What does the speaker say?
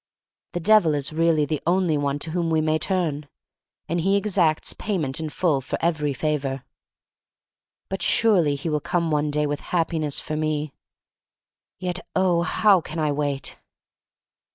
The Devil is really the only one to whom we may turn, and he exacts pay ment in full for every favor. But surely he will come one day with Happiness for me. Yet, oh, how can I wait!